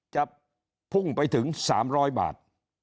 จะพุ่งไปถึง๓๐๐บาท